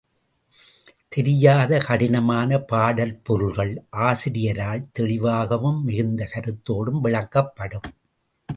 தெரியாத கடினமான பாடற் பொருள்கள், ஆசிரியரால் தெளிவாகவும் மிகுந்த கருத்தோடும் விளக்கப்படும்.